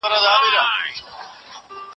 له وینو څخه ډک زړونه غوټیو ګرځول